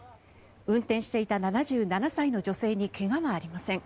運転していた７７歳の女性に怪我はありません。